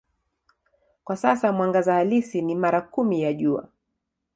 Kwa sasa mwangaza halisi ni mara kumi ya Jua.